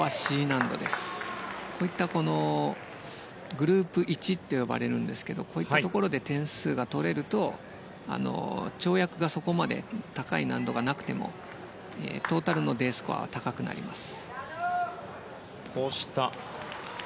グループ１と呼ばれるんですがこういったところで点数が取れると跳躍がそこまで高い難度がなくてもトータルのＤスコアは高くなります。